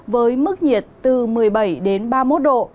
với mức nhiệt từ một mươi bảy đến ba mươi một độ